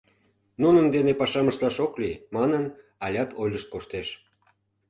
Нунын дене пашам ышташ ок лий, — манын, алят ойлышт коштеш.